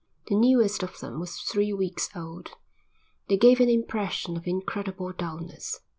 The newest of them was three weeks old. They gave an impression of incredible dullness.